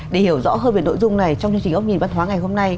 để hiểu rõ hơn về nội dung này trong chương trình ốc nhìn văn hóa ngày hôm nay